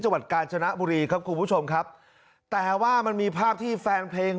จังหวัดกาญจนบุรีครับคุณผู้ชมครับแต่ว่ามันมีภาพที่แฟนเพลง